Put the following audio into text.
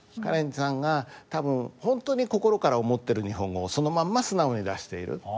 カレンさんが多分本当に心から思ってる日本語をそのまんま素直に出している。